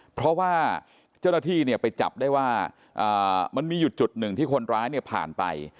เพราะว่าเจ้าหน้าที่เนี่ยไปจับได้ว่ามันมีอยู่จุดหนึ่งที่คนร้ายเนี่ยผ่านไป